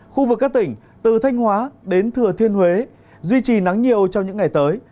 khu vực các tỉnh từ thanh hóa đến thừa thiên huế duy trì nắng nhiều trong những ngày tới